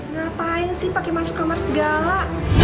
ngapain sih pakai masuk kamar segala